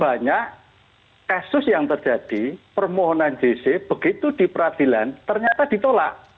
banyak kasus yang terjadi permohonan jc begitu di peradilan ternyata ditolak